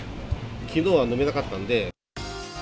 きのうは飲めなかったので。